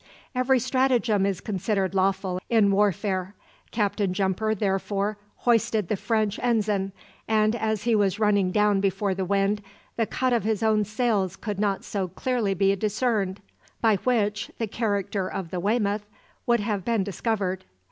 Every stratagem is considered lawful in warfare. Captain Jumper therefore hoisted the French ensign, and as he was running down before the wind, the cut of his own sails could not so clearly be discerned, by which the character of the "Weymouth" would have been discovered.